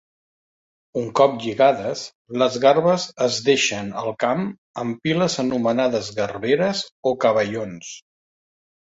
Un cop lligades, les garbes es deixen al camp en piles anomenades garberes o cavallons.